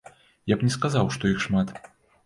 Я б не сказаў, што іх шмат.